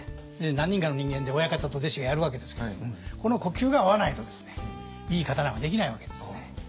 何人かの人間で親方と弟子がやるわけですけれどこの呼吸が合わないとですねいい刀はできないわけですね。